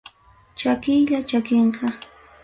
Chakiylla chakinqa.